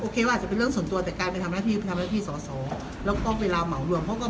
โอเคว่าจะเป็นเรื่องส่วนตัวแต่ก็อาจจะเป็นมีคำถามราชาภารกิจ